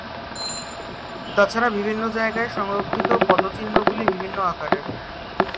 তাছাড়া বিভিন্ন জায়গায় সংরক্ষিত পদ চিহ্ন গুলি বিভিন্ন আকারের।